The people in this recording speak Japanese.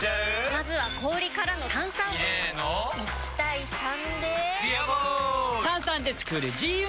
まずは氷からの炭酸！入れの１：３で「ビアボール」！